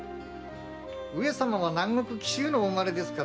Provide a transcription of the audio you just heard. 上様は南国・紀州のお生まれですからな。